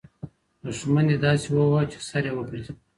دښمن دې داسې ووهه چي سر یې وګرځي.